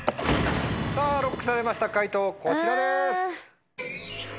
さぁＬＯＣＫされました解答こちらです。